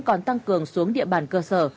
còn tăng cường xuống địa bàn cơ sở